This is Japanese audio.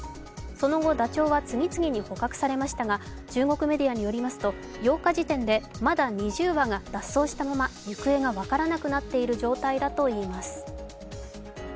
その後、ダチョウは次々に捕獲されましたが、中国メディアによりますと８日時点で、まだ２０羽が脱走したまま行方が分からない状態だといいます。